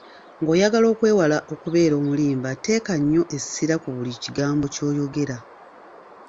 Ng'oyagala okwewala okubeera omulimba teeka nnyo essira ku buli kigambo ky'oyogera.